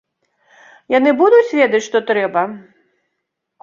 Яны будуць ведаць, што трэба?